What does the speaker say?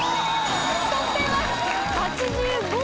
得点は。